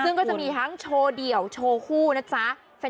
ซึ่งก็จะมีทั้งโชว์เดี่ยวโชว์คู่นะจ๊ะ